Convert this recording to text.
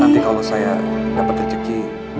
nanti kalau saya dapat rezeki